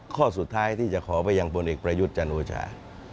ข้อสุดท้ายที่จะขอไปยังพลเอกประยุทธ์จันโอชา